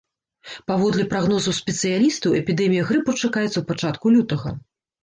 Паводле прагнозаў спецыялістаў, эпідэмія грыпу чакаецца ў пачатку лютага.